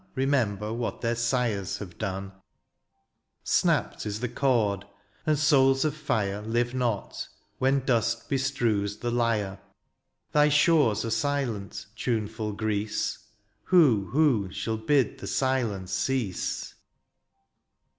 Remember what their sires have done. 46 DIONYSIUS, Snapt is the chords and souls of fire Live not, when dust bestrews the lyre : Thy shores are sQent, tonefdl Greece : Who, who, shall bid the silence cease